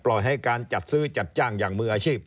ให้การจัดซื้อจัดจ้างอย่างมืออาชีพ